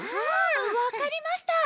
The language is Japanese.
わかりました。